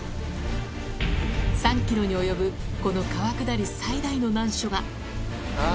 ３キロに及ぶこの川下り最大の難所が。